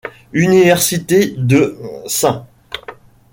Université de St.